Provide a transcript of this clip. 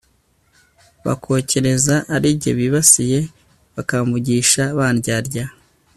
bakokereza ari jye bibasiye, bakamvugisha bandyarya